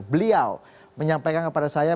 beliau menyampaikan kepada saya